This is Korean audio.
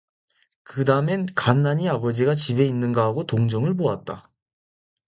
그 담엔 간난이 아버지가 집에 있는가 하고 동정을 보았다.